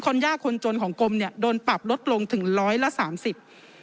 ยากคนจนของกรมเนี้ยโดนปรับลดลงถึงร้อยละสามสิบ